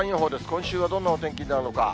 今週はどんなお天気になるのか。